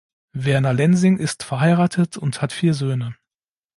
Werner Lensing ist verheiratet und hat vier Söhne.